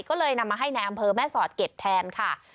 ก็เลยนำมาให้ในอำเภอแม่สอดเก็บแทนค่ะ